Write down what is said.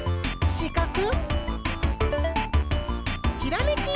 しかく！